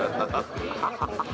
ハハハハ！